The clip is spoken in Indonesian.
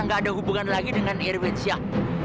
nggak ada hubungan lagi dengan irwin syah